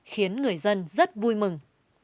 khiến người dân rất vui mừng